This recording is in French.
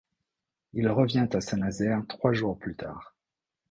Il revient à Saint-Nazaire trois jours plus tard.